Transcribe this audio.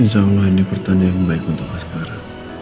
insyaallah ini pertanda yang baik untuk askara